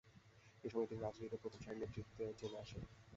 এই সময়ে তিনি রাজনীতিতে প্রথম সারির নেতৃত্বে চলে আসেন।